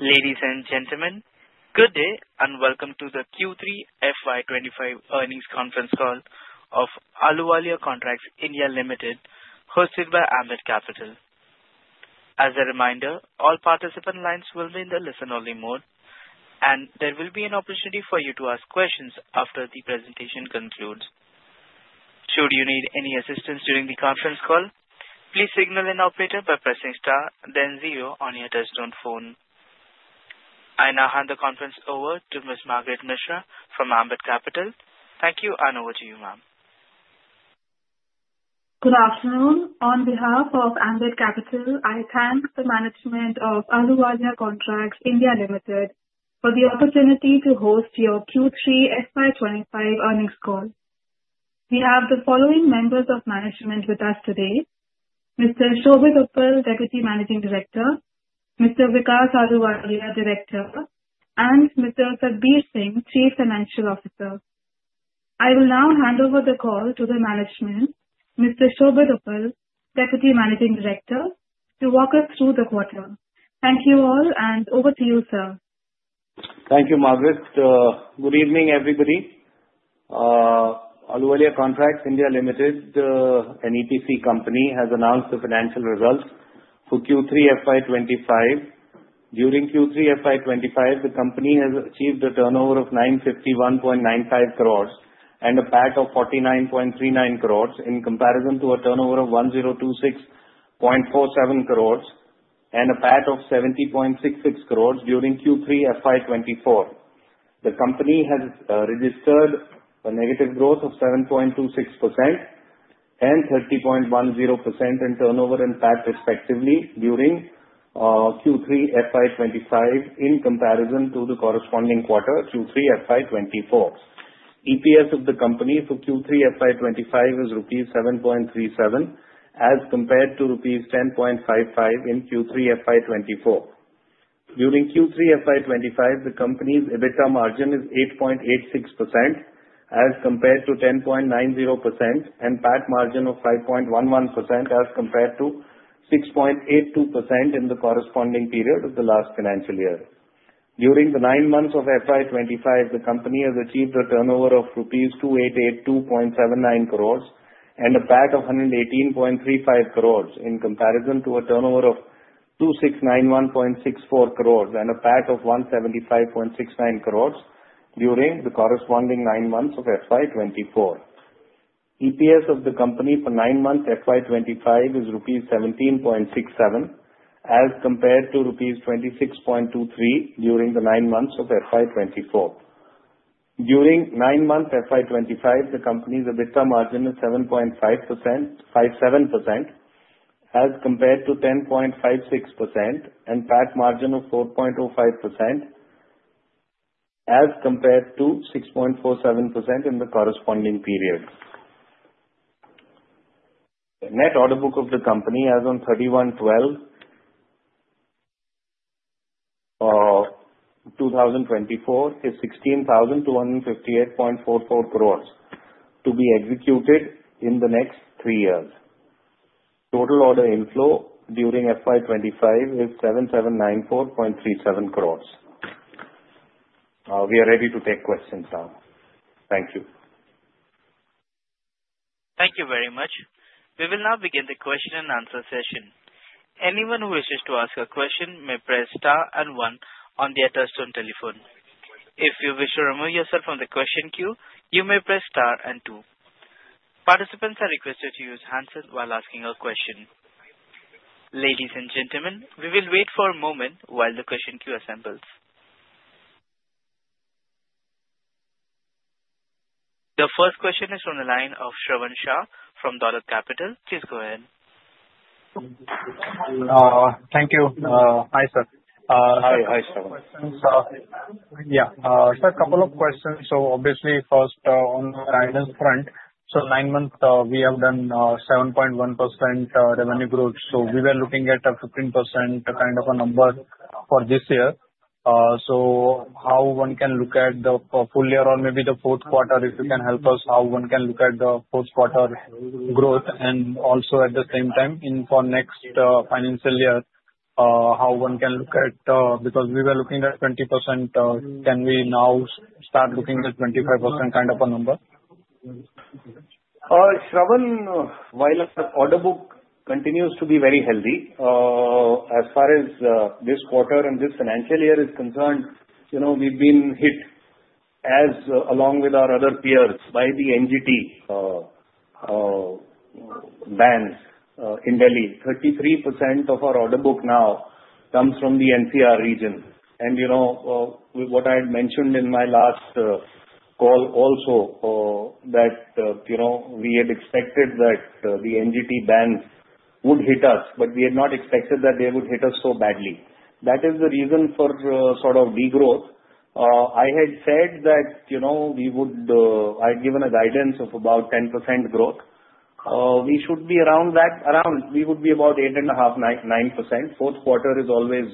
Ladies and gentlemen, good day and welcome to the Q3 FY 2025 Earnings Conference Call of Ahluwalia Contracts (India) Limited, hosted by Ambit Capital. As a reminder, all participant lines will be in the listen-only mode, and there will be an opportunity for you to ask questions after the presentation concludes. Should you need any assistance during the conference call, please signal an operator by pressing star, then zero on your touch-tone phone. I now hand the conference over to Ms. Margaret Mishra from Ambit Capital. Thank you, and over to you, ma'am. Good afternoon. On behalf of Ambit Capital, I thank the management of Ahluwalia Contracts (India) Limited for the opportunity to host your Q3 FY 2025 Earnings Call. We have the following members of management with us today: Mr. Shobhit Uppal, Deputy Managing Director, Mr. Vikas Ahluwalia, Director, and Mr. Satbeer Singh, CFO. I will now hand over the call to the management, Mr. Shobhit Uppal, Deputy Managing Director, to walk us through the quarter. Thank you all, and over to you, sir. Thank you, Margaret. Good evening, everybody. Ahluwalia Contracts (India) Limited, an EPC company, has announced the financial results for Q3 FY 2025. During Q3 FY 2025, the company has achieved a turnover of 951.95 crore and a PAT of 49.39 crore in comparison to a turnover of 1026.47 crore and a PAT of 70.66 crore during Q3 FY 2024. The company has registered a negative growth of 7.26% and 30.10% in turnover and PAT, respectively, during Q3 FY 2025 in comparison to the corresponding quarter, Q3 FY 2024. EPS of the company for Q3 FY 2025 is rupees 7.37, as compared to rupees 10.55 in Q3 FY 2024. During Q3 FY 2025, the company's EBITDA margin is 8.86%, as compared to 10.90%, and PAT margin of 5.11%, as compared to 6.82% in the corresponding period of the last financial year. During the nine months of FY 2025, the company has achieved a turnover of rupees 2882.79 crore and a PAT of 118.35 crore, in comparison to a turnover of 2691.64 crore and a PAT of 175.69 crore during the corresponding nine months of FY 2024. EPS of the company for nine months of FY 2025 is rupees 17.67, as compared to rupees 26.23 during the nine months of FY 2024. During nine months of FY 2025, the company's EBITDA margin is 7.57%, as compared to 10.56%, and PAT margin of 4.05%, as compared to 6.47% in the corresponding period. Net order book of the company as of 31/12/2024 is 16,258.44 crore to be executed in the next three years. Total order inflow during FY 2025 is 7794.37 crore. We are ready to take questions now. Thank you. Thank you very much. We will now begin the question-and-answer session. Anyone who wishes to ask a question may press star and one on their touch-tone telephone. If you wish to remove yourself from the question queue, you may press star and two. Participants are requested to use handsets while asking a question. Ladies and gentlemen, we will wait for a moment while the question queue assembles. The first question is from the line of Shravan Shah from Dolat Capital. Please go ahead. Thank you. Hi, sir. Hi, Shravan. So, yeah, sir, a couple of questions. So obviously, first, on the guidance front, so nine months, we have done 7.1% revenue growth. So we were looking at a 15% kind of a number for this year. So how one can look at the full year or maybe the Q4, if you can help us, how one can look at the Q4 growth? And also, at the same time, for next financial year, how one can look at because we were looking at 20%, can we now start looking at 25% kind of a number? Shravan, while the order book continues to be very healthy, as far as this quarter and this financial year is concerned, we've been hit, along with our other peers, by the NGT bans in Delhi. 33% of our order book now comes from the NCR region. What I had mentioned in my last call also that we had expected that the NGT bans would hit us, but we had not expected that they would hit us so badly. That is the reason for sort of degrowth. I had said that I had given a guidance of about 10% growth. We should be around that. Around, we would be about 8.5%, 9%. Q4 is always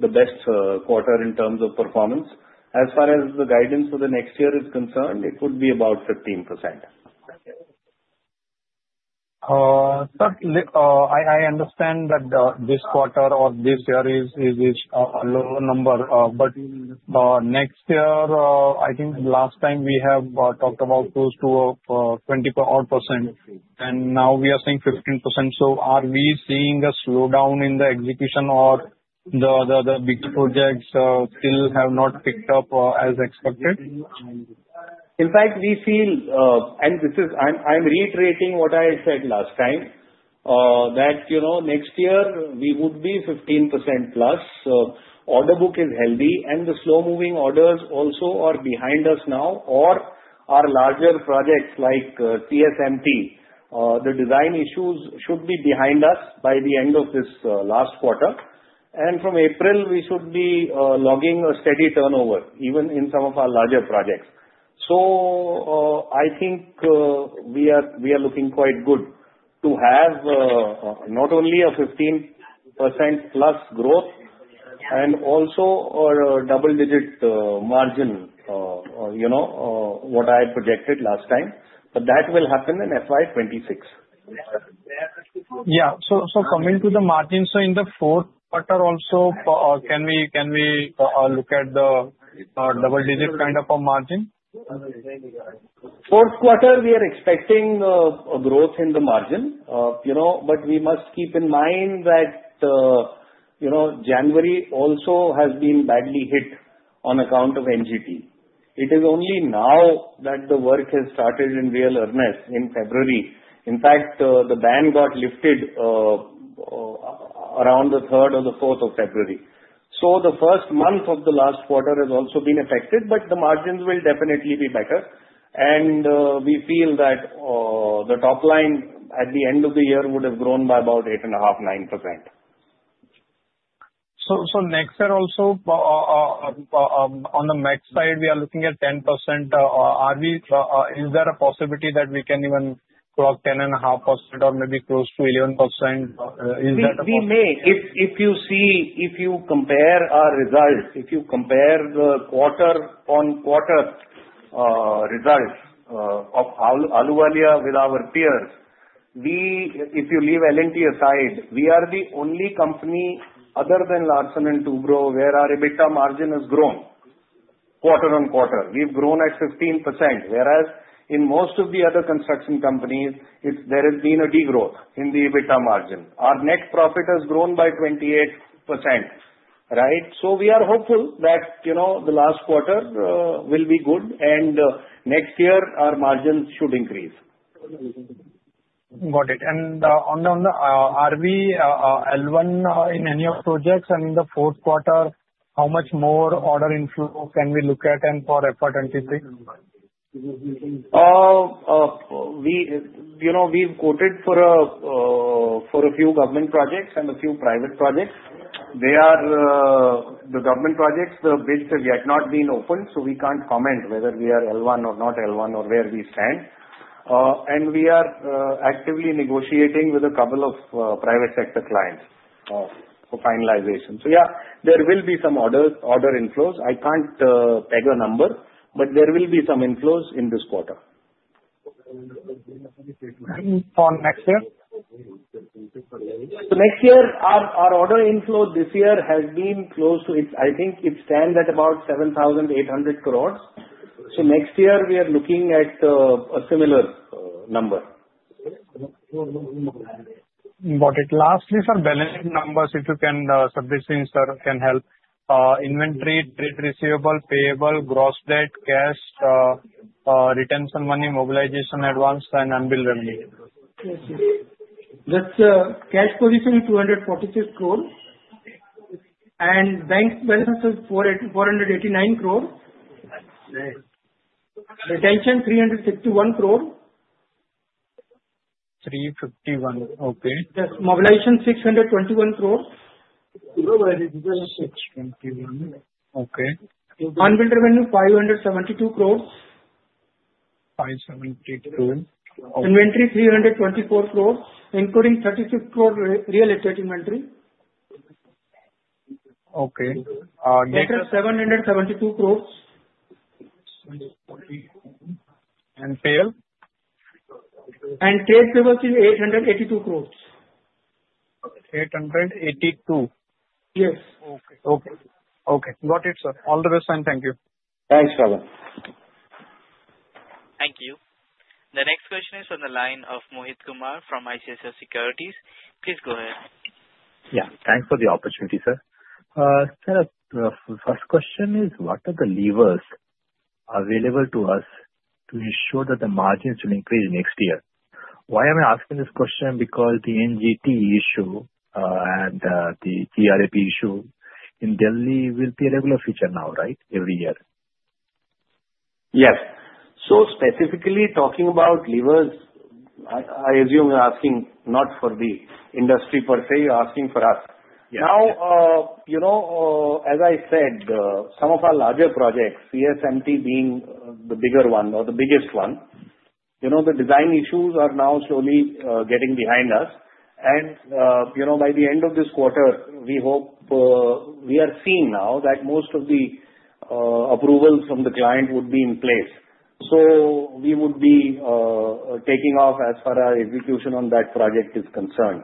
the best quarter in terms of performance. As far as the guidance for the next year is concerned, it would be about 15%. Sir, I understand that this quarter or this year is a low number, but next year, I think last time we have talked about close to 24%, and now we are seeing 15%. So are we seeing a slowdown in the execution, or the big projects still have not picked up as expected? In fact, we feel and I'm reiterating what I had said last time, that next year we would be 15%+. Order book is healthy, and the slow-moving orders also are behind us now, or our larger projects like CSMT. The design issues should be behind us by the end of this last quarter. And from April, we should be logging a steady turnover, even in some of our larger projects. So I think we are looking quite good to have not only a 15%+ growth and also a double-digit margin, what I had projected last time, but that will happen in FY 2026. Yeah. So coming to the margin, so in the Q4 also, can we look at the double-digit kind of a margin? Q4, we are expecting a growth in the margin, but we must keep in mind that January also has been badly hit on account of NGT. It is only now that the work has started in real earnest in February. In fact, the ban got lifted around the 3rd or the 4th of February. So the first month of the last quarter has also been affected, but the margins will definitely be better. And we feel that the top line at the end of the year would have grown by about 8.5%, 9%. So next year also, on the margin side, we are looking at 10%. Is there a possibility that we can even clock 10.5% or maybe close to 11%? We may. If you compare our results, if you compare the quarter-on-quarter results of Ahluwalia with our peers, if you leave L&T aside, we are the only company other than Larsen & Toubro where our EBITDA margin has grown quarter-on-quarter. We've grown at 15%, whereas in most of the other construction companies, there has been a degrowth in the EBITDA margin. Our net profit has grown by 28%. Right? So we are hopeful that the last quarter will be good, and next year, our margin should increase. Got it. And are we L1 in any of the projects? And in the Q4, how much more order inflow can we look at for FY 2026? We've quoted for a few government projects and a few private projects. The government projects, the bids have yet not been opened, so we can't comment whether we are L1 or not L1 or where we stand. And we are actively negotiating with a couple of private sector clients for finalization. So yeah, there will be some order inflows. I can't peg a number, but there will be some inflows in this quarter. And for next year? So next year, our order inflow this year has been close to. I think it stands at about 7,800 crore. So next year, we are looking at a similar number. Got it. Lastly, sir, balancing numbers, if you can, Satbeer Singh, sir, can help: inventory, trade receivable, payable, gross debt, cash, retention money, mobilization advance, and unbilled revenue. Just cash position 246 crore, and bank balances 489 crore. Retention 351 crore. 351. Okay. Mobilization 621 crore. Okay. Unbilled revenue 572 crore. 572. Inventory 324 crore, including 36 crore real estate inventory. Okay. Net assets 772 crore. And payable? Trade payables is 882 crore. 882. Yes. Okay. Okay. Got it, sir. All the best, and thank you. Thanks, Shravan. Thank you. The next question is from the line of Mohit Kumar from ICICI Securities. Please go ahead. Yeah. Thanks for the opportunity, sir. Sir, first question is, what are the levers available to us to ensure that the margins will increase next year? Why am I asking this question? Because the NGT issue and the GRAP issue in Delhi will be a regular feature now, right, every year. Yes. So specifically talking about levers, I assume you're asking not for the industry per se. You're asking for us. Now, as I said, some of our larger projects, CSMT being the bigger one or the biggest one, the design issues are now slowly getting behind us. And by the end of this quarter, we hope we are seeing now that most of the approvals from the client would be in place. So we would be taking off as far as execution on that project is concerned.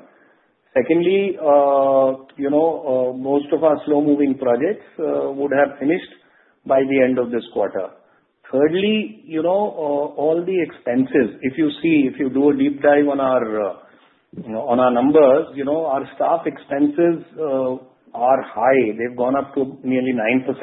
Secondly, most of our slow-moving projects would have finished by the end of this quarter. Thirdly, all the expenses, if you see, if you do a deep dive on our numbers, our staff expenses are high. They've gone up to nearly 9%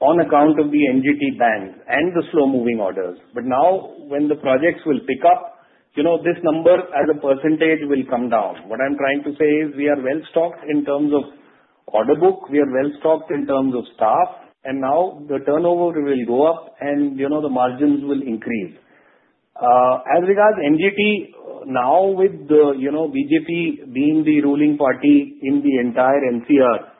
on account of the NGT bans and the slow-moving orders. But now, when the projects will pick up, this number as a percentage will come down. What I'm trying to say is we are well stocked in terms of order book. We are well stocked in terms of staff. And now, the turnover will go up, and the margins will increase. As regards NGT, now with BJP being the ruling party in the entire NCR,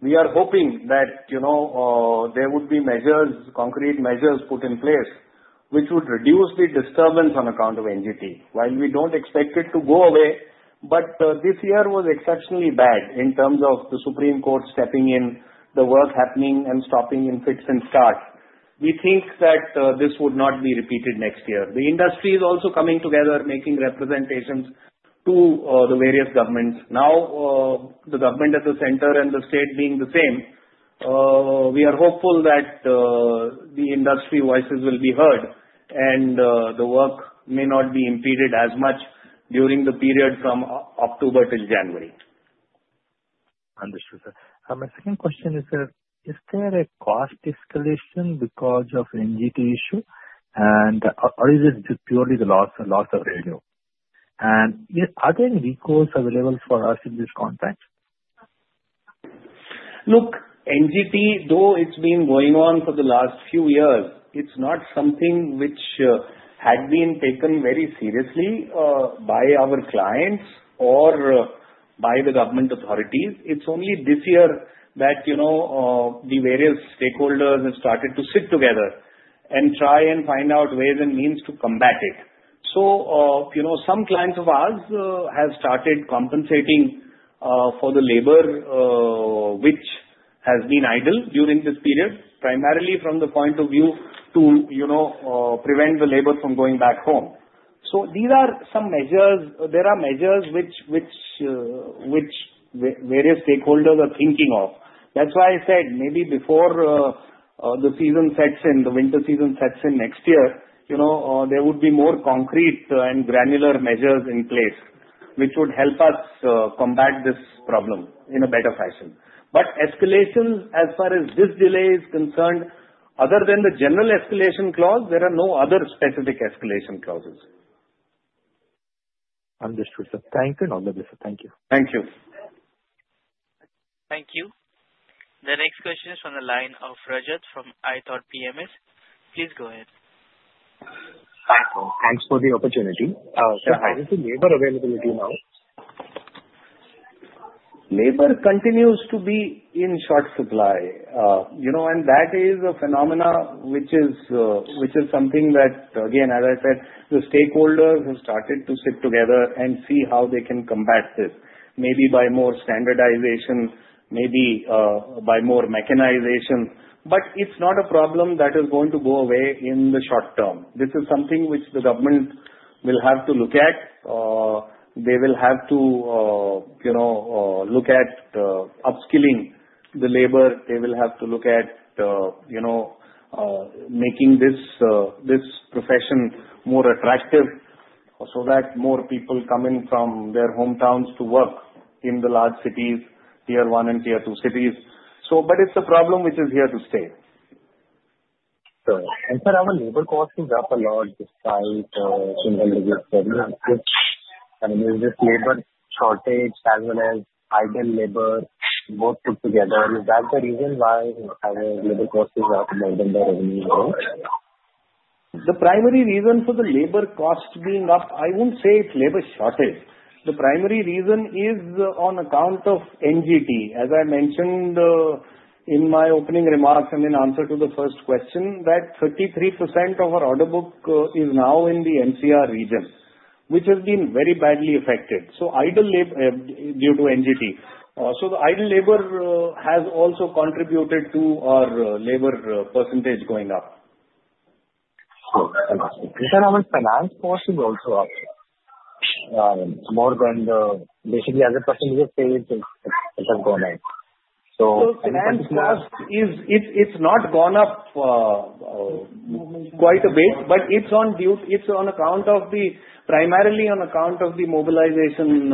we are hoping that there would be measures, concrete measures put in place, which would reduce the disturbance on account of NGT, while we don't expect it to go away. But this year was exceptionally bad in terms of the Supreme Court stepping in, the work happening, and stopping in fits and starts. We think that this would not be repeated next year. The industry is also coming together, making representations to the various governments. Now, the government at the center and the state being the same, we are hopeful that the industry voices will be heard, and the work may not be impeded as much during the period from October till January. Understood, sir. My second question is, is there a cost escalation because of NGT issue, or is it purely the loss of revenue? And are there any recalls available for us in this context? Look, NGT, though it's been going on for the last few years, it's not something which had been taken very seriously by our clients or by the government authorities. It's only this year that the various stakeholders have started to sit together and try and find out ways and means to combat it. So some clients of ours have started compensating for the labor, which has been idle during this period, primarily from the point of view to prevent the labor from going back home. So these are some measures. There are measures which various stakeholders are thinking of. That's why I said maybe before the season sets in, the winter season sets in next year, there would be more concrete and granular measures in place which would help us combat this problem in a better fashion. But escalation, as far as this delay is concerned, other than the general escalation clause, there are no other specific escalation clauses. Understood, sir. Thank you, sir. Thank you. Thank you. Thank you. The next question is from the line of Rajat from ithought PMS. Please go ahead. Thanks for the opportunity. Sir, how is the labor availability now? Labor continues to be in short supply, and that is a phenomenon which is something that, again, as I said, the stakeholders have started to sit together and see how they can combat this, maybe by more standardization, maybe by more mechanization, but it's not a problem that is going to go away in the short term. This is something which the government will have to look at. They will have to look at upskilling the labor. They will have to look at making this profession more attractive so that more people come in from their hometowns to work in the large cities, Tier I and Tier II cities, but it's a problem which is here to stay. Sir, our labor costs have dropped a lot despite the changes in revenue. I mean, is this labor shortage as well as idle labor both put together, and is that the reason why our labor costs have more than the revenues grow? The primary reason for the labor costs being up, I won't say it's labor shortage. The primary reason is on account of NGT. As I mentioned in my opening remarks and in answer to the first question, that 33% of our order book is now in the NCR region, which has been very badly affected so idle labor due to NGT, so the idle labor has also contributed to our labor percentage going up. Sir, how is finance costs also up more than the basically, as the percentage has stayed, it has gone up? Finance costs, it's not gone up quite a bit, but it's primarily on account of the mobilization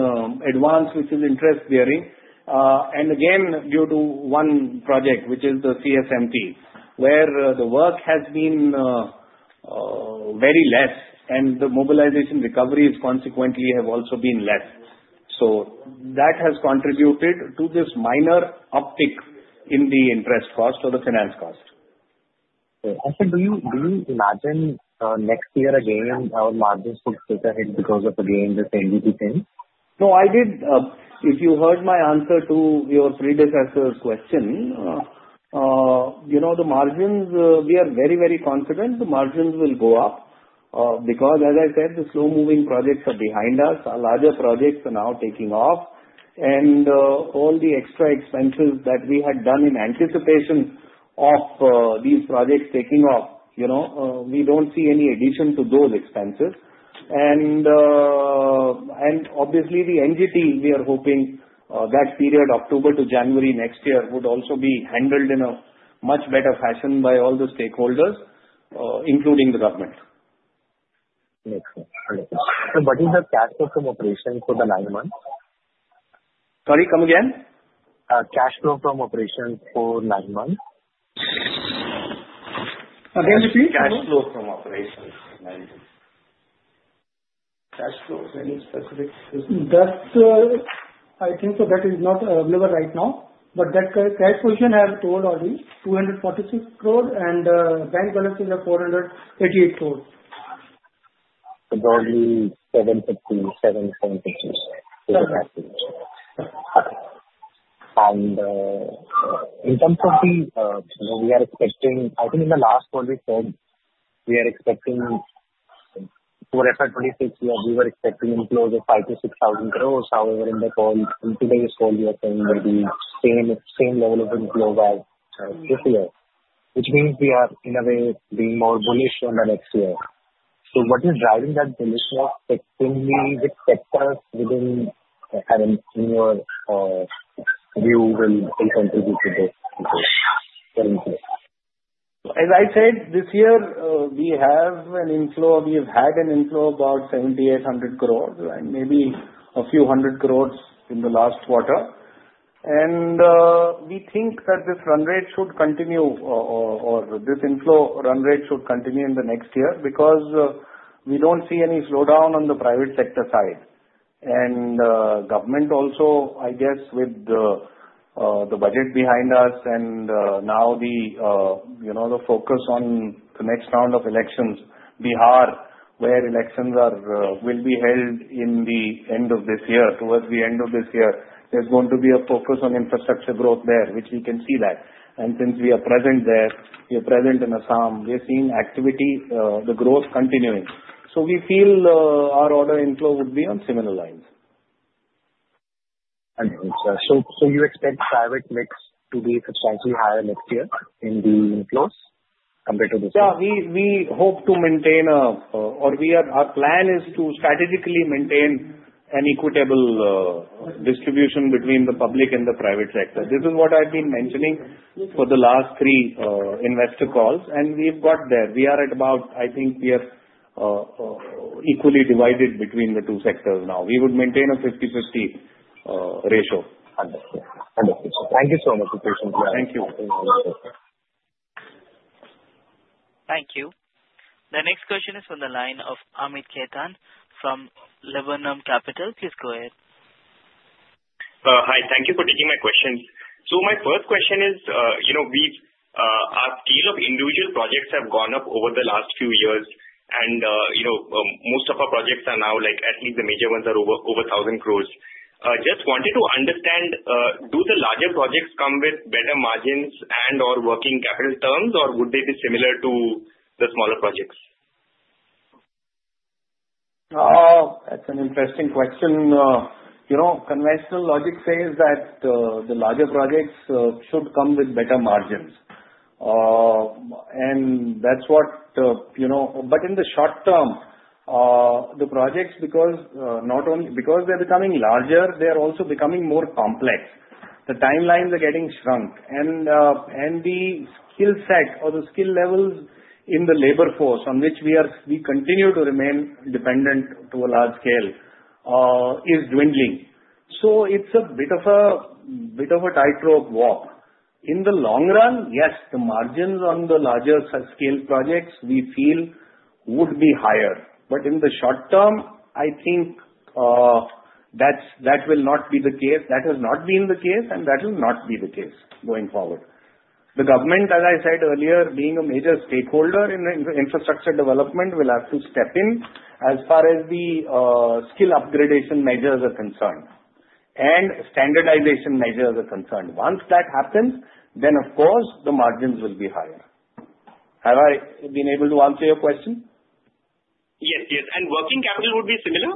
advance, which is interest-bearing. And again, due to one project, which is the CSMT, where the work has been very less, and the mobilization recoveries consequently have also been less. So that has contributed to this minor uptick in the interest cost or the finance cost. And sir, do you imagine next year again our margins could take a hit because of, again, this NGT thing? No, I did. If you heard my answer to your predecessor's question, the margins, we are very, very confident the margins will go up because, as I said, the slow-moving projects are behind us. Our larger projects are now taking off. And all the extra expenses that we had done in anticipation of these projects taking off, we don't see any addition to those expenses. And obviously, the NGT, we are hoping that period October to January next year would also be handled in a much better fashion by all the stakeholders, including the government. Understood. Understood. Sir, what is the cash flow from operations for the nine months? Sorry, come again? Cash flow from operations for nine months? Again, repeat? Cash flow from operations. Cash flow from any specific? I think that is not available right now. But that position I have told already, 246 crore, and bank balances are 488 crore. Probably 750, 750. Yes. In terms of what we are expecting, I think in the last call we said, we are expecting for FY 2026, we were expecting inflows of 5,000-6,000 crore. However, in today's call, we are saying maybe same level of inflow as this year, which means we are, in a way, being more bullish on the next year. So what is driving that bullishness? Which sectors within your view will contribute to this? As I said, this year, we have an inflow. We have had an inflow of about 7,800 crore and maybe a few hundred crore in the last quarter. And we think that this run rate should continue or this inflow run rate should continue in the next year because we don't see any slowdown on the private sector side. And government also, I guess, with the budget behind us and now the focus on the next round of elections, Bihar, where elections will be held in the end of this year, towards the end of this year, there's going to be a focus on infrastructure growth there, which we can see that. And since we are present there, we are present in Assam, we are seeing activity, the growth continuing. So we feel our order inflow would be on similar lines. Understood, so you expect private mix to be substantially higher next year in the inflows compared to this year? Yeah. We hope to maintain, or our plan is to strategically maintain, an equitable distribution between the public and the private sector. This is what I've been mentioning for the last three investor calls. And we've got there. We are at about, I think, we are equally divided between the two sectors now. We would maintain a 50/50 ratio. Understood. Understood. Thank you so much for your patience, sir. Thank you. Thank you. The next question is from the line of Amit Khetan from Laburnum Capital. Please go ahead. Hi. Thank you for taking my questions. So my first question is, our scale of individual projects have gone up over the last few years. And most of our projects are now, at least the major ones, are over 1,000 crore. Just wanted to understand, do the larger projects come with better margins and/or working capital terms, or would they be similar to the smaller projects? That's an interesting question. Conventional logic says that the larger projects should come with better margins, and that's what but in the short term, the projects, because they're becoming larger, they're also becoming more complex. The timelines are getting shrunk. The skill set or the skill levels in the labor force on which we continue to remain dependent to a large scale is dwindling. So it's a bit of a tightrope walk. In the long run, yes, the margins on the larger scale projects, we feel, would be higher. But in the short term, I think that will not be the case. That has not been the case, and that will not be the case going forward. The government, as I said earlier, being a major stakeholder in the infrastructure development, will have to step in as far as the skill upgradation measures are concerned and standardization measures are concerned. Once that happens, then, of course, the margins will be higher. Have I been able to answer your question? Yes. Yes. And working capital would be similar?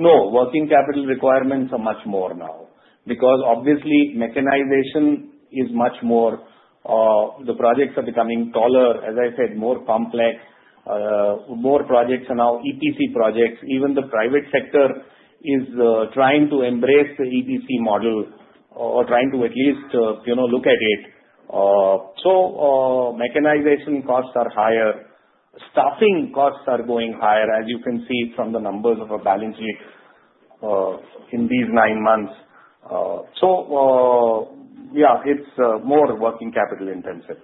No. Working capital requirements are much more now because, obviously, mechanization is much more. The projects are becoming taller, as I said, more complex. More projects are now EPC projects. Even the private sector is trying to embrace the EPC model or trying to at least look at it. So mechanization costs are higher. Staffing costs are going higher, as you can see from the numbers of our balance sheet in these nine months. So yeah, it's more working capital intensive.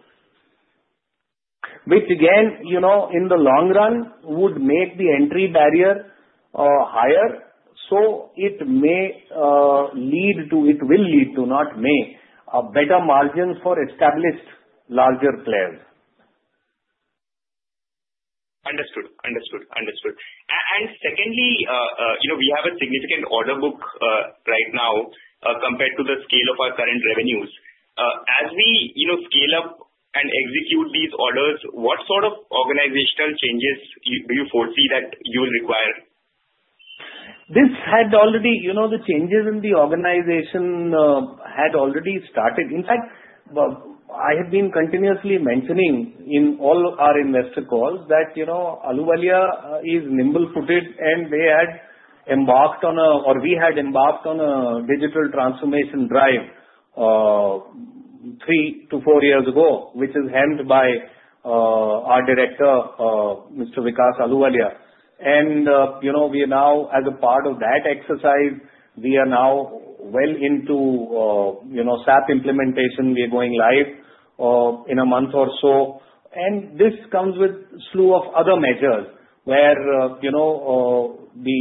Which, again, in the long run, would make the entry barrier higher. So it may lead to, it will lead to, not may, better margins for established larger players. Understood. And secondly, we have a significant order book right now compared to the scale of our current revenues. As we scale up and execute these orders, what sort of organizational changes do you foresee that you will require? The changes in the organization had already started. In fact, I have been continuously mentioning in all our investor calls that Ahluwalia is nimble-footed, and we had embarked on a digital transformation drive three to four years ago, which is helmed by our director, Mr. Vikas Ahluwalia. We are now, as a part of that exercise, well into SAP implementation. We are going live in a month or so. This comes with a slew of other measures where the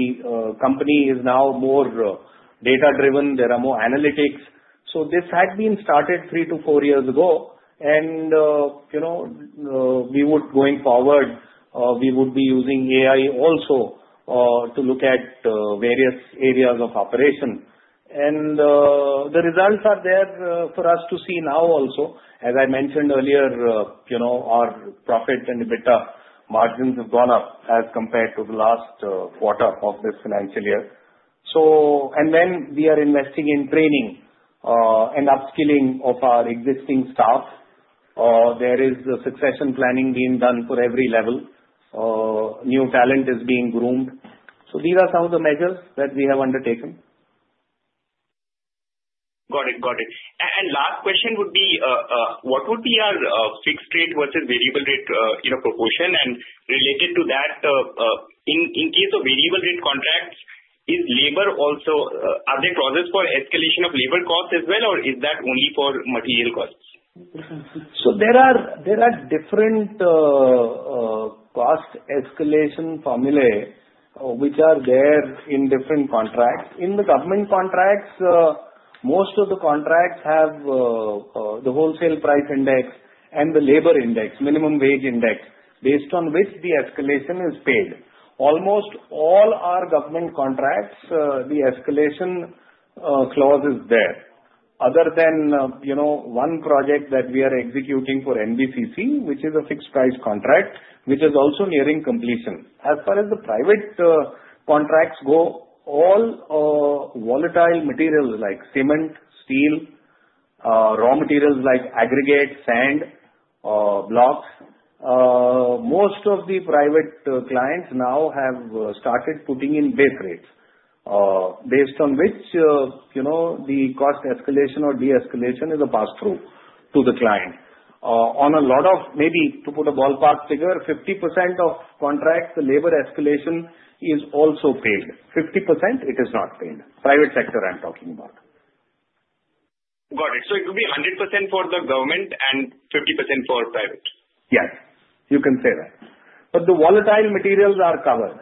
company is now more data-driven. There are more analytics. This had been started three to four years ago. We would, going forward, be using AI also to look at various areas of operation. The results are there for us to see now also. As I mentioned earlier, our profit and EBITDA margins have gone up as compared to the last quarter of this financial year, and then we are investing in training and upskilling of our existing staff. There is succession planning being done for every level. New talent is being groomed, so these are some of the measures that we have undertaken. Got it. Got it. And last question would be, what would be our fixed rate versus variable rate proportion? And related to that, in case of variable rate contracts, is labor also, are there clauses for escalation of labor costs as well, or is that only for material costs? There are different cost escalation formulas which are there in different contracts. In the government contracts, most of the contracts have the wholesale price index and the labor index, minimum wage index, based on which the escalation is paid. Almost all our government contracts, the escalation clause is there, other than one project that we are executing for NBCC, which is a fixed price contract, which is also nearing completion. As far as the private contracts go, all volatile materials like cement, steel, raw materials like aggregate, sand, blocks, most of the private clients now have started putting in base rates based on which the cost escalation or de-escalation is a pass-through to the client. On a lot of, maybe to put a ballpark figure, 50% of contracts, the labor escalation is also paid. 50%, it is not paid. Private sector, I'm talking about. Got it. So it would be 100% for the government and 50% for private? Yes. You can say that. But the volatile materials are covered.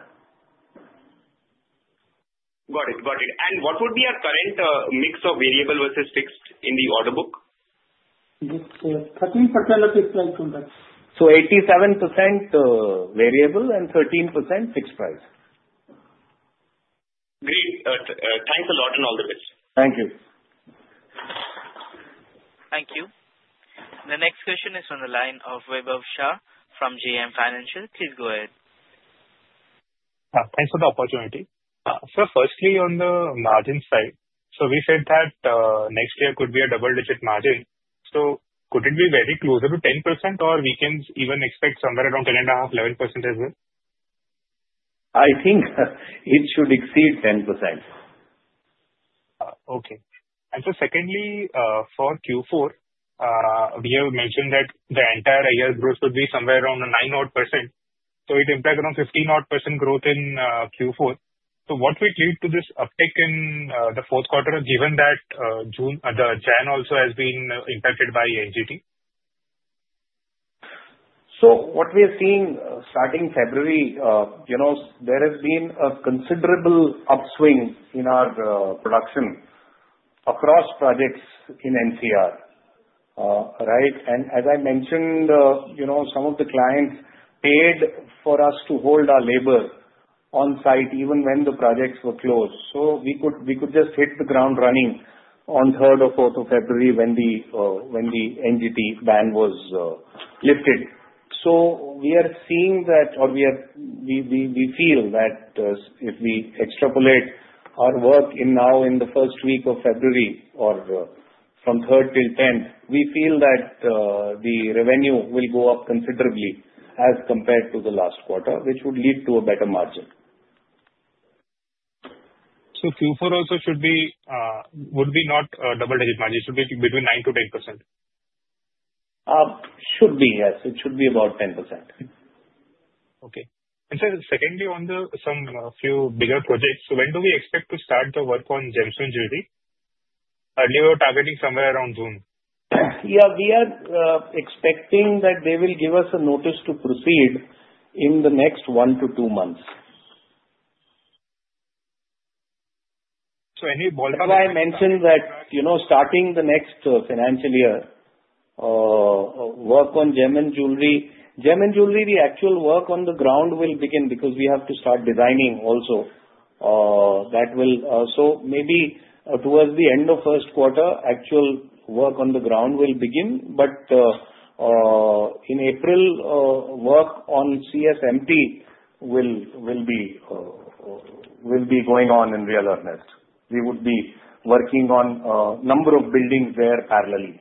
Got it. Got it. And what would be your current mix of variable versus fixed in the order book? It's 13% of fixed price contracts. So 87% variable and 13% fixed price. Great. Thanks a lot and all the best. Thank you. Thank you. The next question is from the line of Vaibhav Shah from JM Financial. Please go ahead. Thanks for the opportunity. Sir, firstly, on the margin side, so we said that next year could be a double-digit margin. So could it be very closer to 10%, or we can even expect somewhere around 10.5%-11% as well? I think it should exceed 10%. Okay. And so secondly, for Q4, we have mentioned that the entire IR growth would be somewhere around nine odd %. So it impacts around 15-odd % growth in Q4. So what will lead to this uptick in the Q4, given that the churn also has been impacted by NGT? What we are seeing starting February is a considerable upswing in our production across projects in NCR, right? And as I mentioned, some of the clients paid for us to hold our labor on-site even when the projects were closed. We could just hit the ground running on third or fourth of February when the NGT ban was lifted. We are seeing that, or we feel that if we extrapolate our work now in the first week of February or from third till tenth, we feel that the revenue will go up considerably as compared to the last quarter, which would lead to a better margin. Q4 also should be not a double-digit margin. It should be between 9%-10%. Should be, yes. It should be about 10%. Okay. And sir, secondly, on some few bigger projects, when do we expect to start the Gems & Jewellery? Earlier, we were targeting somewhere around June. Yeah. We are expecting that they will give us a notice to proceed in the next one to two months. So any Ballpark? I mentioned that starting the next financial year, Gems & Jewellery Park, the actual work on the ground will begin because we have to start designing also. So maybe towards the end of Q1, actual work on the ground will begin. In April, work on CSMT will be going on in real earnest. We would be working on a number of buildings there parallelly.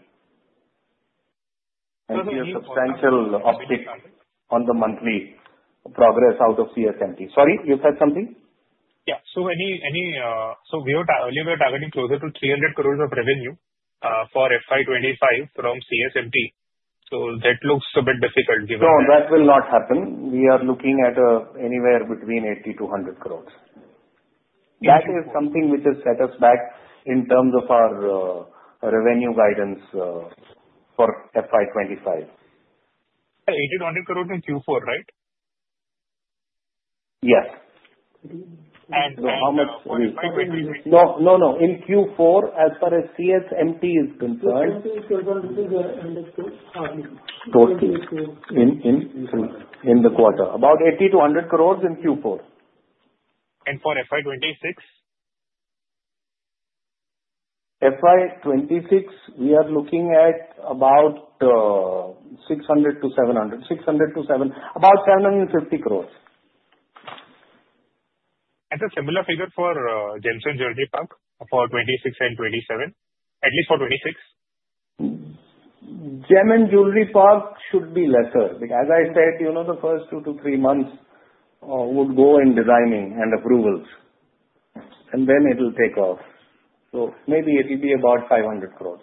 And we are seeing substantial uptick on the monthly progress out of CSMT. Sorry, you said something? Yeah. So earlier, we were targeting closer to 300 crore of revenue for FY 2025 from CSMT. So that looks a bit difficult given the. No, that will not happen. We are looking at anywhere between 80-100 crore. That is something which has set us back in terms of our revenue guidance for FY 2025. INR 80 crore-INR 100 crore in Q4, right? Yes. How much? No, no, no. In Q4, as far as CSMT is concerned. Totally in the quarter. About 80-100 crore in Q4. For FY 2026? FY 2026, we are looking at about 600-700, about 750 crore. And the similar figure for Gems & Jewellery Park for 2026 and 2027, at least for 2026? Gems & Jewellery Park should be lesser. As I said, the first two to three months would go in designing and approvals, and then it will take off. So maybe it will be about 500 crore.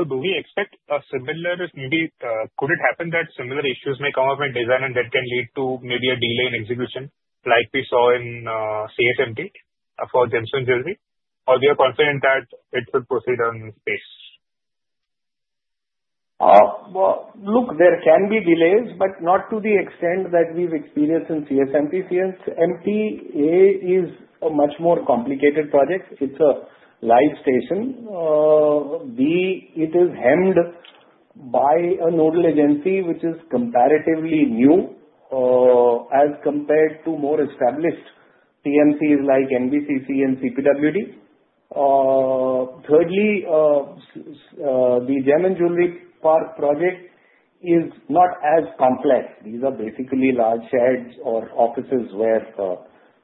Do we expect a similar? Could it happen that similar issues may come up in design and that can lead to maybe a delay in execution like we saw in CSMT Gems & Jewellery Park? Or we are confident that it should proceed on its pace? Look, there can be delays, but not to the extent that we've experienced in CSMT. CSMT. A is a much more complicated project. It's a live station. B, it is hemmed by a nodal agency which is comparatively new as compared to more established PMCs like NBCC and CPWD. Thirdly, the Gems & Jewellery Park project is not as complex. These are basically large sheds or offices where the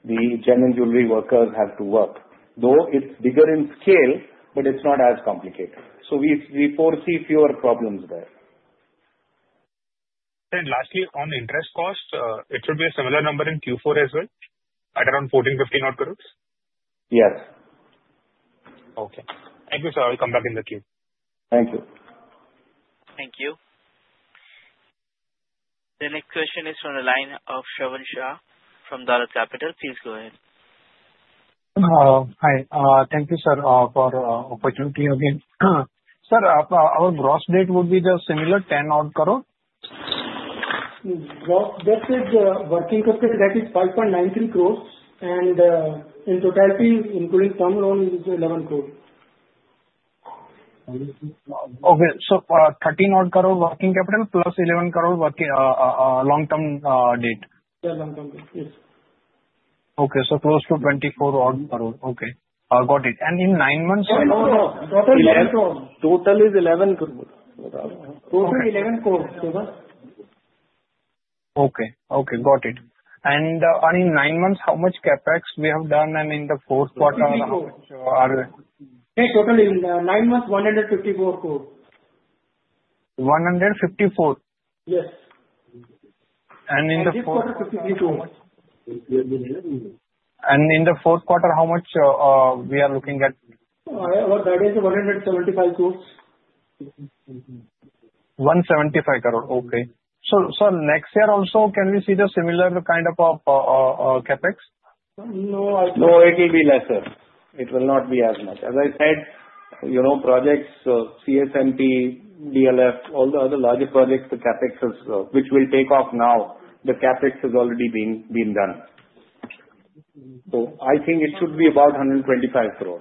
Gems & Jewellery workers have to work. Though it's bigger in scale, but it's not as complicated. So we foresee fewer problems there. Lastly, on interest cost, it should be a similar number in Q4 as well at around 14-15 odd crore? Yes. Okay. Thank you, sir. I'll come back in the queue. Thank you. Thank you. The next question is from the line of Shravan Shah from Dolat Capital. Please go ahead. Hi. Thank you, sir, for the opportunity again. Sir, our gross debt would be the similar 10-odd crore? Gross debt with the working capital, that is 5.93 crore. And in totality, including term loan, it is 11 crore. Okay. So 13 odd crore working capital plus 11 crore long-term debt? Yeah, long-term debt. Yes. Okay. So close to 24 odd crore. Okay. Got it. And in nine months? No, no. Total is 11 crore. Total is INR 11 crore. Okay. Okay. Got it. And in nine months, how much CapEx we have done in the Q4? Nine months, INR 154 crore. 154? Yes. In the fourth? This quarter, 53 crore. In the Q4, how much we are looking at? That is 175 crore. 175 crore. Okay. So next year also, can we see the similar kind of CapEx? No, I think. No, it will be lesser. It will not be as much. As I said, projects, CSMT, DLF, all the other larger projects, the CapEx which will take off now, the CapEx has already been done. So I think it should be about 125 crore.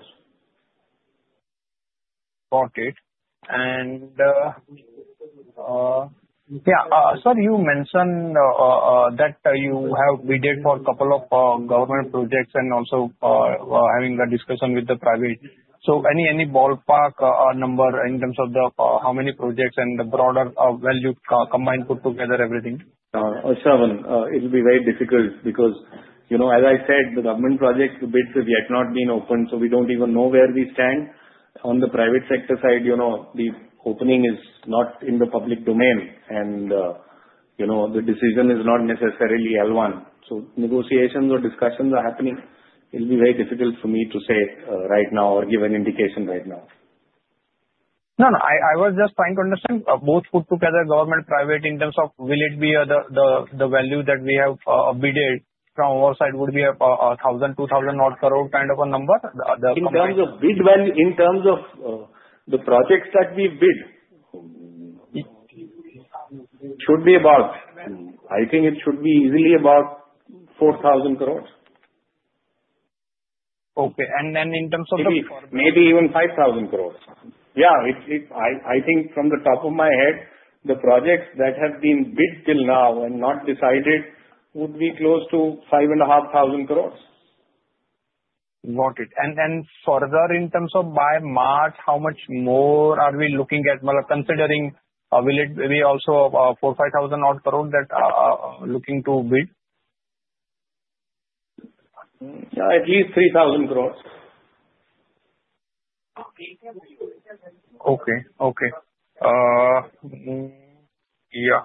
Got it. And yeah, sir, you mentioned that you have bid for a couple of government projects and also having a discussion with the private. So any ballpark number in terms of how many projects and the broader value combined put together everything? Shravan, it will be very difficult because, as I said, the government project bids have yet not been opened, so we don't even know where we stand. On the private sector side, the opening is not in the public domain, and the decision is not necessarily L1. So negotiations or discussions are happening. It will be very difficult for me to say right now or give an indication right now. No, no. I was just trying to understand both put together, government, private, in terms of will it be the value that we have bid from our side would be 1,000-2,000 crore kind of a number? In terms of bid value, in terms of the projects that we bid, it should be about, I think it should be easily about 4,000 crore. Okay. And then in terms of the. Maybe even 5,000 crore. Yeah. I think from the top of my head, the projects that have been bid till now and not decided would be close to 5,500 crore. Got it. And then further, in terms of by March, how much more are we looking at considering? Will it be also 4,000-5,000 odd crore that are looking to bid? At least INR 3,000 crore. Okay. Yeah.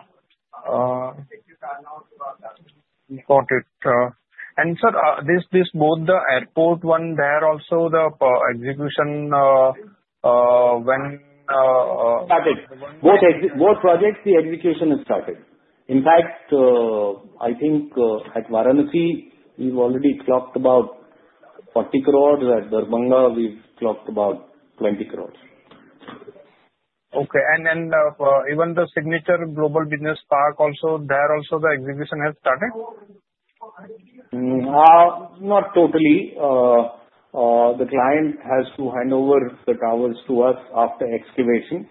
Got it. And sir, is this both the airport one there also, the execution when? Started. Both projects, the execution has started. In fact, I think at Varanasi, we've already clocked about 40 crore. At Darbhanga, we've clocked about 20 crore. Okay. And then even the Signature Global Business Park also, there also the execution has started? Not totally. The client has to hand over the towers to us after excavation.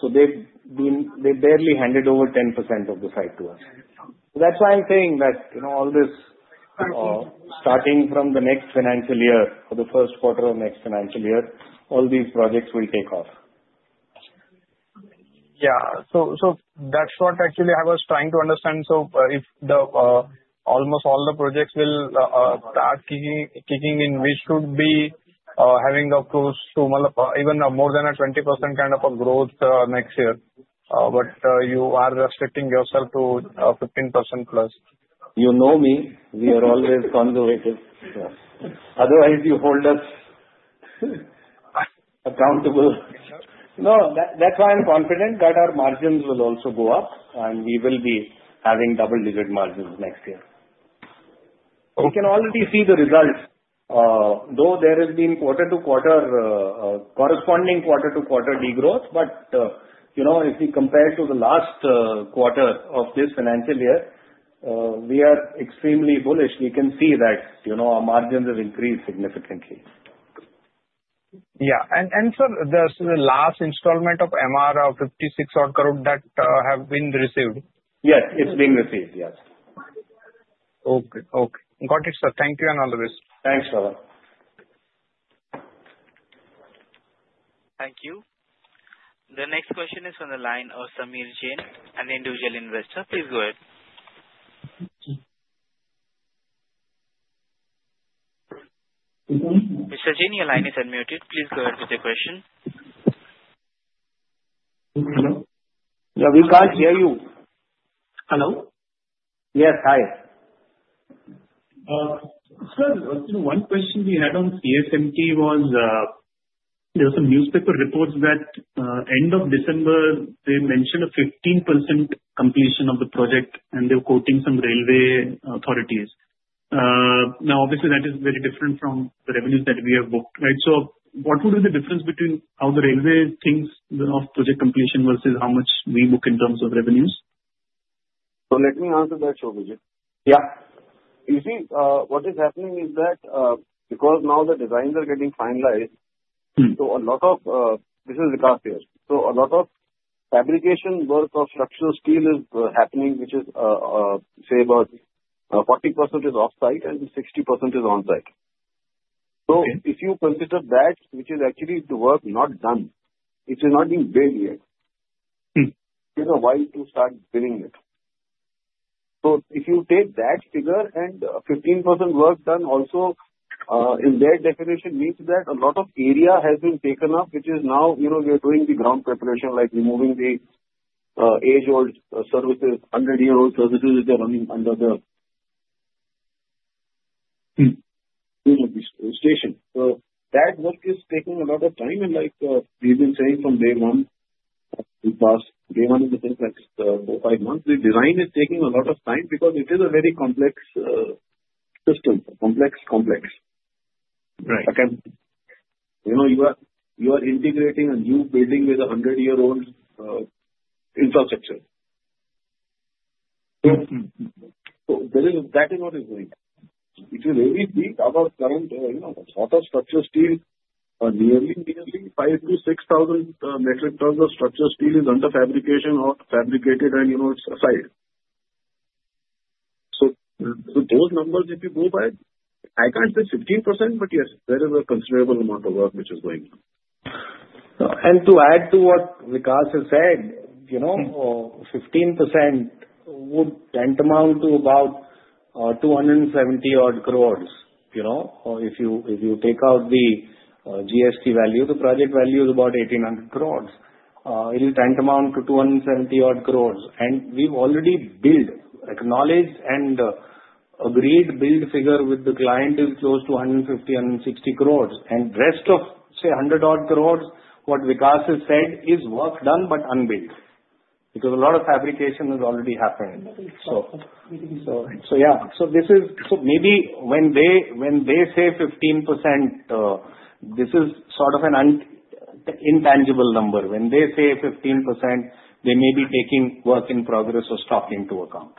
So they barely handed over 10% of the site to us. That's why I'm saying that all this starting from the next financial year, the first quarter of next financial year, all these projects will take off. Yeah. So that's what actually I was trying to understand. So if almost all the projects will start kicking in, we should be having close to even more than a 20% kind of a growth next year. But you are restricting yourself to 15% +. You know me. We are always conservative. Otherwise, you hold us accountable. No, that's why I'm confident that our margins will also go up, and we will be having double-digit margins next year. You can already see the results. Though there has been quarter-to-quarter, corresponding quarter-to-quarter degrowth, but if we compare to the last quarter of this financial year, we are extremely bullish. We can see that our margins have increased significantly. Yeah. And, sir, there's the last installment of MR of 56 odd crore that have been received? Yes. It's been received. Yes. Okay. Okay. Got it, sir. Thank you and all the best. Thanks, Shravan. Thank you. The next question is from the line of Samir Jain and the individual investor. Please go ahead. Mr. Jain, your line is unmuted. Please go ahead with your question. Hello? Yeah, we can't hear you. Hello? Yes. Hi. Sir, one question we had on CSMT was there were some newspaper reports that end of December, they mentioned a 15% completion of the project, and they were quoting some railway authorities. Now, obviously, that is very different from the revenues that we have booked, right? So what would be the difference between how the railway thinks of project completion versus how much we book in terms of revenues? So let me answer that shortly. Yeah. You see, what is happening is that because now the designs are getting finalized, so a lot of this is the gap here. So a lot of fabrication work of structural steel is happening, which is, say, about 40% is off-site and 60% is on-site. So if you consider that, which is actually the work not done, it is not being bid yet. It's a while to start bidding it. So if you take that figure and 15% work done also, in their definition, means that a lot of area has been taken up, which is now we are doing the ground preparation, like removing the age-old services, 100-year-old services that are running under the station. So that work is taking a lot of time. Like we've been saying from day one, we passed day one in the things like four, five months. The design is taking a lot of time because it is a very complex system, complex, complex. You are integrating a new building with a 100-year-old infrastructure. So that is what is going on. It will be built around curtain wall structural steel, nearly 5,000-6,000 metric tons of structural steel is under fabrication or fabricated, and it's onsite. So those numbers, if you go by, I can't say 15%, but yes, there is a considerable amount of work which is going on. And to add to what Vikas has said, 15% would tend to amount to about 270-odd crore. If you take out the GST value, the project value is about 1,800 crore. It will tend to amount to 270-odd crore. We've already bid acknowledged and agreed bid figure with the client is close to 150-160 crore. Rest of, say, 100 odd crore, what Vikas has said is work done but unbid because a lot of fabrication has already happened. Yeah. Maybe when they say 15%, this is sort of an intangible number. When they say 15%, they may be taking work in progress or stock into account.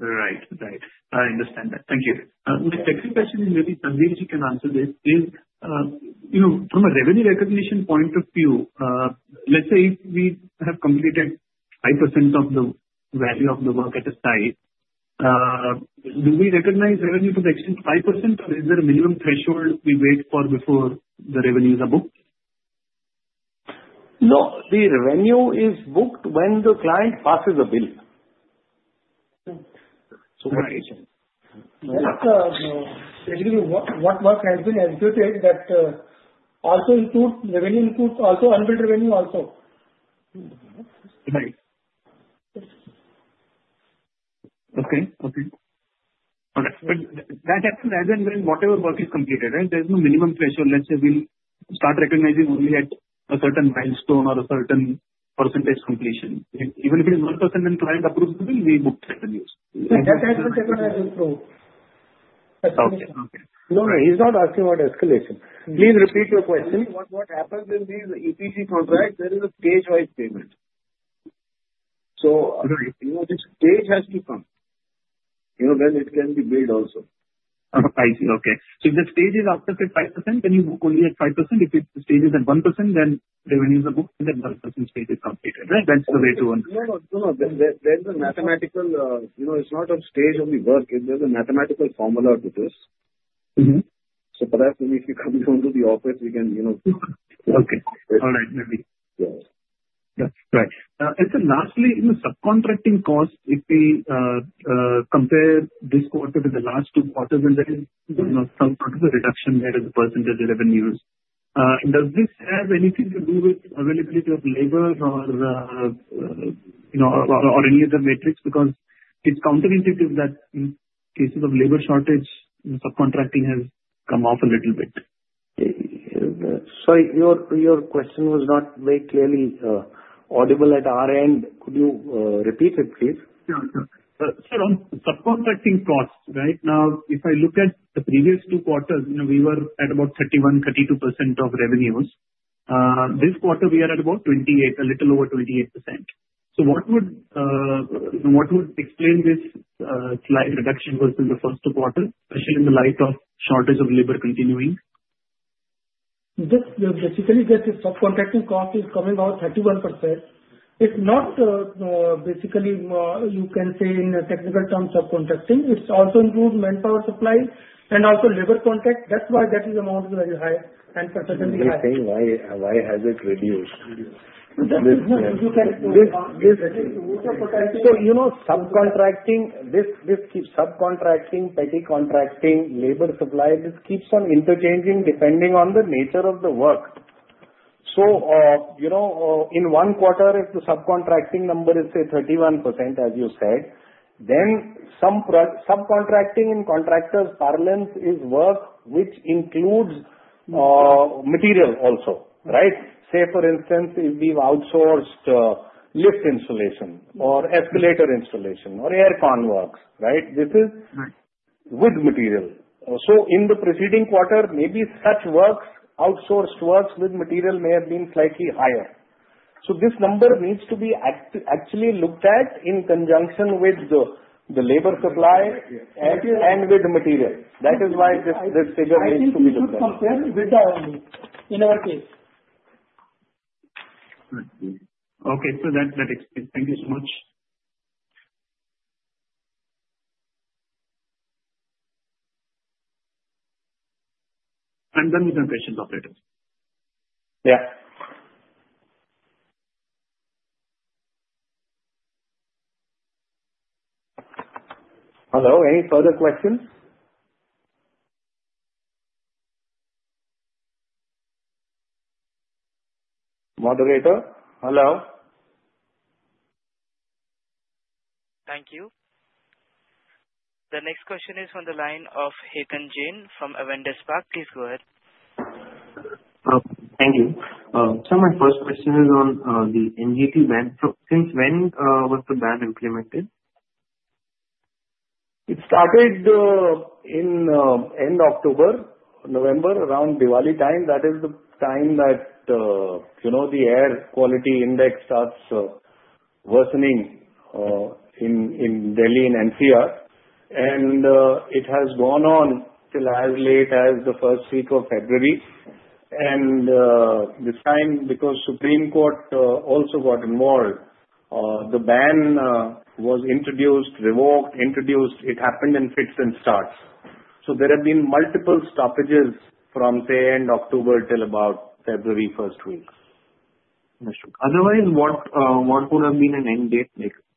Right. Right. I understand that. Thank you. My second question is really Samir Ji can answer this. From a revenue recognition point of view, let's say we have completed 5% of the value of the work at a site, do we recognize revenue proportionate 5%, or is there a minimum threshold we wait for before the revenues are booked? No. The revenue is booked when the client passes a bill. So what is it? What work has been executed that also includes revenue, includes also unbilled revenue also? Right. Okay. That happens as and when whatever work is completed, right? There's no minimum threshold. Let's say we start recognizing only at a certain milestone or a certain percentage completion. Even if it is 1% and client approves the bill, we book revenues. That happens as and when as well. No, no. He's not asking about escalation. Please repeat your question. What happens in these EPC contracts, there is a stage-wise payment so the stage has to come when it can be bid also. I see. Okay. So if the stage is after 5%, then you only get 5%. If the stage is at 1%, then revenues are booked, and then 1% stage is completed, right? That's the way to understand. No, no. No, no. There's a mathematical formula to this. So perhaps if you come down to the office, we can. Okay. All right. Let me. Yes. Right. And then lastly, in the subcontracting cost, if we compare this quarter with the last two quarters, and there is some sort of a reduction there in the percentage of revenues, does this have anything to do with availability of labor or any other metrics? Because it's counterintuitive that in cases of labor shortage, subcontracting has come off a little bit. Sorry. Your question was not very clearly audible at our end. Could you repeat it, please? Sure. Sure. Sir, on subcontracting costs, right? Now, if I look at the previous two quarters, we were at about 31%-32% of revenues. This quarter, we are at about 28%, a little over 28%. So what would explain this slight reduction versus the first two quarters, especially in the light of shortage of labor continuing? Just basically, the subcontracting cost is coming out 31%. It's not basically. You can say in technical terms, subcontracting. It's also improved manpower supply and also labor contract. That's why that amount is very high and percentage is high. He is asking why has it reduced? So subcontracting, petty contracting, labor supply, this keeps on interchanging depending on the nature of the work. So in one quarter, if the subcontracting number is, say, 31%, as you said, then subcontracting and contractors' parlance is work which includes material also, right? Say for instance, if we've outsourced lift installation or escalator installation or air con works, right? This is with material. So in the preceding quarter, maybe such works, outsourced works with material may have been slightly higher. So this number needs to be actually looked at in conjunction with the labor supply and with material. That is why this figure needs to be looked at. It should be compared with the inner case. Okay. So that explains. Thank you so much. I'm done with my questions already. Yeah. Hello. Any further questions? Moderator? Hello. Thank you. The next question is from the line of Ketan Jain from Avendus Spark. Please go ahead. Thank you. So my first question is on the NGT ban. Since when was the ban implemented? It started in end October, November, around Diwali time. That is the time that the air quality index starts worsening in Delhi and NCR, and it has gone on till as late as the first week of February, and this time, because Supreme Court also got involved, the ban was introduced, revoked, introduced. It happened in fits and starts, so there have been multiple stoppages from, say, end October till about February first week. Otherwise, what would have been an end date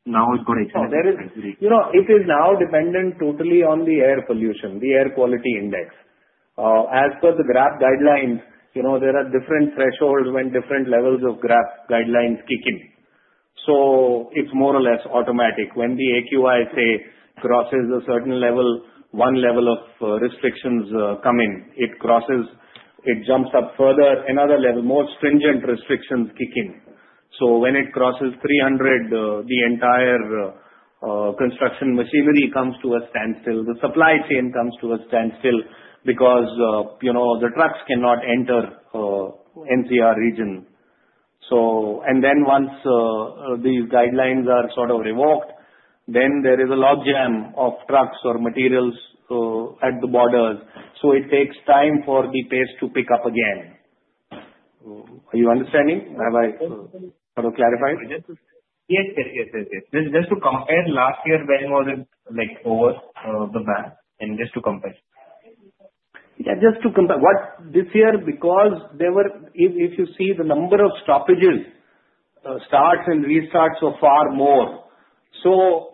now it got extended? It is now dependent totally on the air pollution, the air quality index. As per the GRAP guidelines, there are different thresholds when different levels of GRAP guidelines kick in. So it's more or less automatic. When the AQI, say, crosses a certain level, one level of restrictions come in. It jumps up further. Another level, more stringent restrictions kick in. So when it crosses 300, the entire construction machinery comes to a standstill. The supply chain comes to a standstill because the trucks cannot enter NCR region. And then once these guidelines are sort of revoked, then there is a lot of jam of trucks or materials at the borders. So it takes time for the pace to pick up again. Are you understanding? Have I sort of clarified? Yes. Just to compare, last year, when was it over the ban? And just to compare. Yeah. Just to compare. This year, because if you see the number of stoppages, starts and restarts were far more. So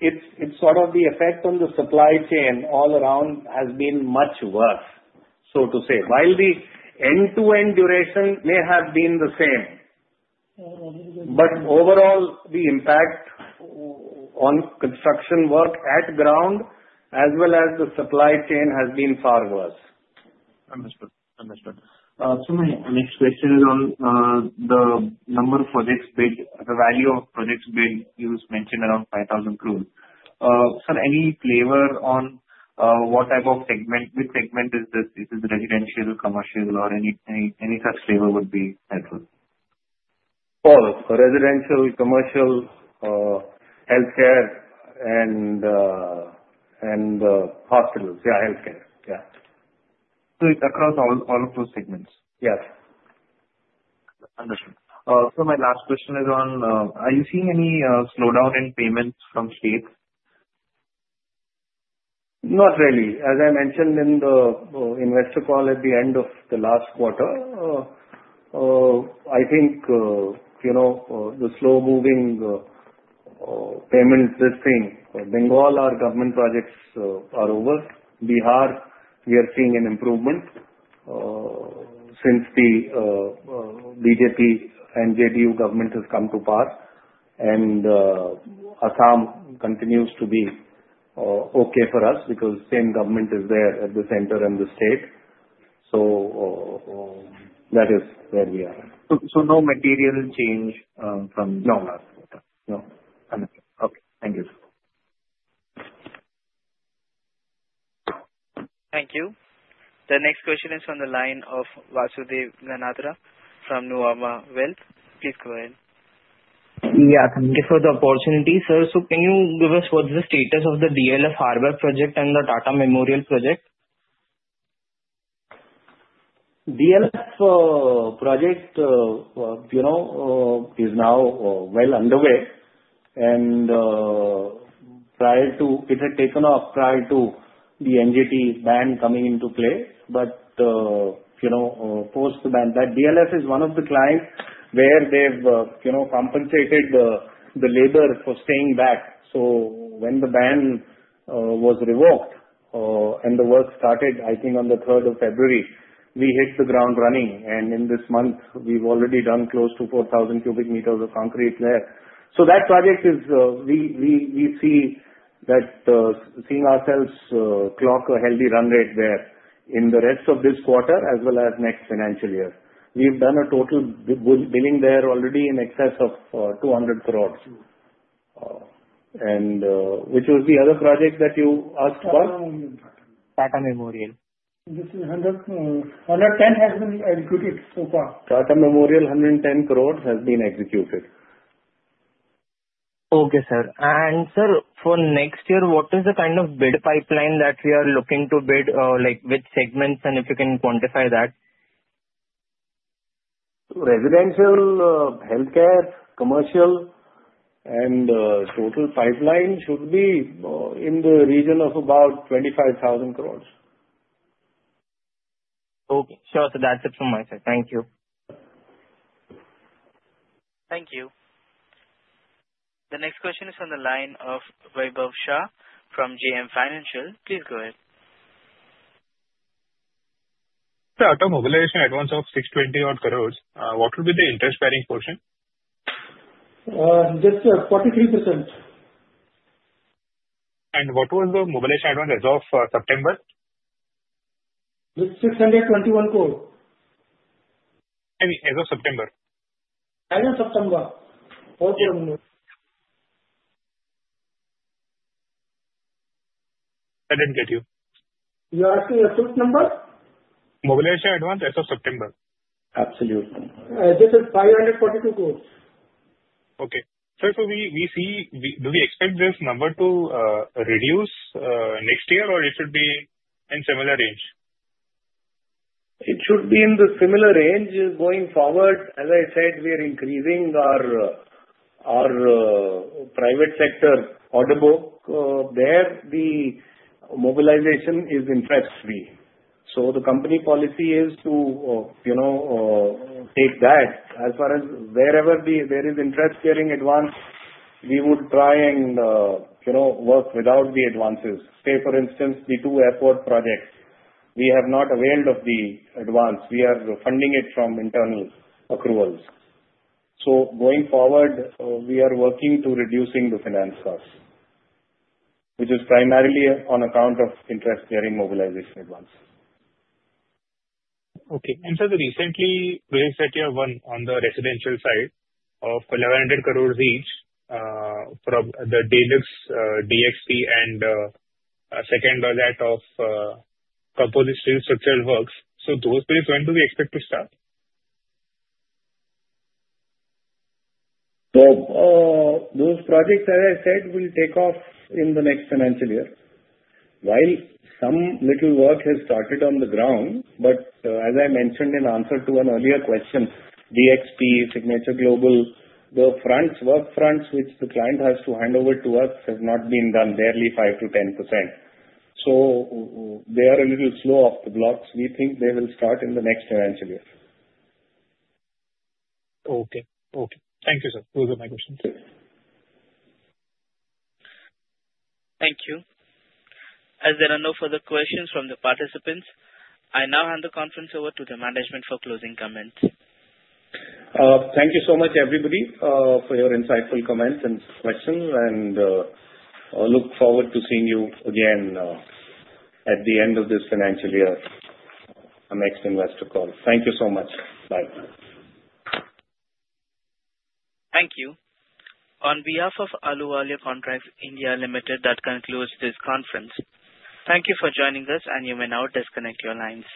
it's sort of the effect on the supply chain all around has been much worse, so to say. While the end-to-end duration may have been the same, but overall, the impact on construction work at ground as well as the supply chain has been far worse. Understood. Understood. So my next question is on the number of projects bid. The value of projects bid, you mentioned around 5,000 crore. Sir, any flavor on what type of segment? Which segment is this? Is it residential, commercial, or any such flavor would be helpful? All. Residential, commercial, healthcare, and hospitals. Yeah. Healthcare. Yeah. So it's across all of those segments? Yes. Understood. So my last question is, are you seeing any slowdown in payments from states? Not really. As I mentioned in the investor call at the end of the last quarter, I think the slow-moving payments, this thing, Bengal our government projects are over. Bihar, we are seeing an improvement since the BJP and JDU government has come to power. And Assam continues to be okay for us because same government is there at the center and the state. So that is where we are. So no material change from last quarter? No. No. Understood. Okay. Thank you. Thank you. The next question is from the line of Vasudev Ganatra from Nuvama Wealth. Please go ahead. Yeah. Thank you for the opportunity, sir. So can you give us what's the status of the DLF The Arbour project and the Tata Memorial project? DLF project is now well underway. And it had taken off prior to the NGT ban coming into play. But post the ban, DLF is one of the clients where they've compensated the labor for staying back. So when the ban was revoked and the work started, I think on the 3rd of February, we hit the ground running. And in this month, we've already done close to 4,000 cubic meters of concrete there. So that project is we see that seeing ourselves clock a healthy run rate there in the rest of this quarter as well as next financial year. We've done a total billing there already in excess of 200 crore, which was the other project that you asked about? Tata Memorial. This is 110 has been executed so far. Tata Memorial, 110 crore has been executed. Okay, sir and sir, for next year, what is the kind of bid pipeline that we are looking to bid with segments and if you can quantify that? Residential, healthcare, commercial, and total pipeline should be in the region of about 25,000 crore. Okay. Sure. So that's it from my side. Thank you. Thank you. The next question is from the line of Vaibhav Shah from JM Financial. Please go ahead. Sir, after mobilization advance of 620 odd crore, what will be the interest-bearing portion? Just 43%. What was the mobilization advance as of September? It's 621 crore. I mean, as of September? As of September. I didn't get you. You asked me the truth number? Mobilization advance as of September? Absolutely. This is 542 crore. Okay. Sir, so do we expect this number to reduce next year, or should it be in similar range? It should be in the similar range going forward. As I said, we are increasing our private sector order book there. The mobilization is interest-free, so the company policy is to take that. As far as wherever there is interest-bearing advance, we would try and work without the advances. Say, for instance, the two airport projects. We have not availed of the advance. We are funding it from internal accruals, so going forward, we are working to reduce the finance costs, which is primarily on account of interest-bearing mobilization advances. Okay. And sir, recently, there is a tier one on the residential side of 1,100 crore each for the De-Luxe DXP and second was that of composite structural works. So those projects, when do we expect to start? So those projects, as I said, will take off in the next financial year. While some little work has started on the ground, but as I mentioned in answer to an earlier question, DXP, Signature Global, the work fronts which the client has to hand over to us have not been done, barely 5%-10%. So they are a little slow off the blocks. We think they will start in the next financial year. Okay. Okay. Thank you, sir. Those are my questions. Thank you. As there are no further questions from the participants, I now hand the conference over to the management for closing comments. Thank you so much, everybody, for your insightful comments and questions. And I look forward to seeing you again at the end of this financial year on next investor call. Thank you so much. Bye. Thank you. On behalf of Ahluwalia Contracts (India) Limited, that concludes this conference. Thank you for joining us, and you may now disconnect your lines.